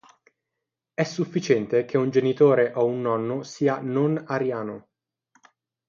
È sufficiente che un genitore o un nonno sia non-ariano.